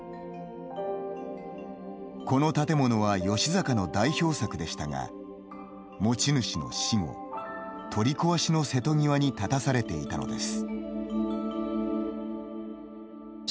この建物は吉阪の代表作でしたが持ち主の死後取り壊しの瀬戸際に立たされていたのです。